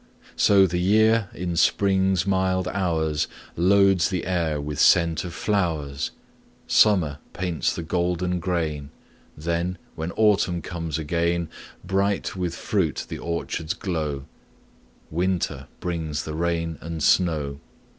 So the year in spring's mild hours Loads the air with scent of flowers; Summer paints the golden grain; Then, when autumn comes again, Bright with fruit the orchards glow; Winter brings the rain and snow.